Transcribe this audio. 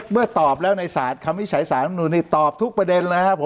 เมื่อตอบแล้วในสารคำวิจัยสารมนุษย์นี้ตอบทุกประเด็นเลยฮะ